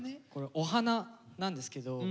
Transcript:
これお花なんですけど。